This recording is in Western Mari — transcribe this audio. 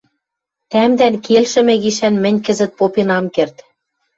Тӓмдӓн келшӹмӹ гишӓн мӹнь кӹзӹт попен ам керд.